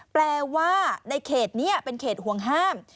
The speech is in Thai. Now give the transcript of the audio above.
แปลว่าในเขตนี้เป็นเขตห่วงห้าม